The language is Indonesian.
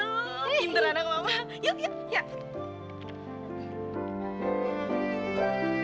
oh gimana mama yuk yuk yuk